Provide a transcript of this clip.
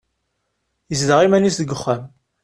Yezdeɣ iman-is deg uxxam.